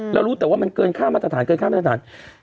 เรารู้แต่ว่ามันเกินค่ามาตรฐาน